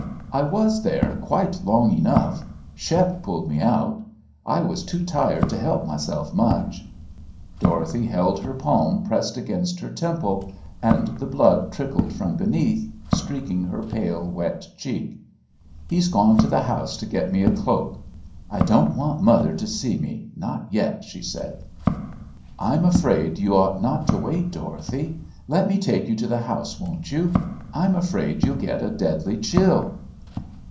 "I was there quite long enough. Shep pulled me out; I was too tired to help myself much." Dorothy held her palm pressed against her temple and the blood trickled from beneath, streaking her pale, wet cheek. "He's gone to the house to get me a cloak. I don't want mother to see me, not yet," she said. "I'm afraid you ought not to wait, Dorothy. Let me take you to the house, won't you? I'm afraid you'll get a deadly chill."